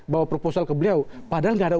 bawa proposal ke beliau padahal nggak ada